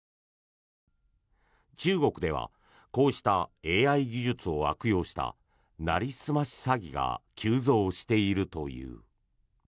中国ではこうしたＡＩ技術を悪用したなりすまし詐欺が急増しているという。